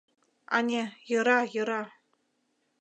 Ане, йӧра, йӧра.